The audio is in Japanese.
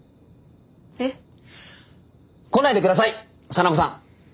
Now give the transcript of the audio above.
えっ？来ないで下さい沙名子さん！